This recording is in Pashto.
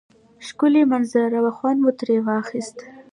ښکلی منظره وه خوند مو تری واخیست